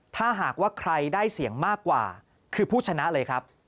ถ้าหากว่าใครได้เสียงมากกว่าคือผู้ชนะเลยครับ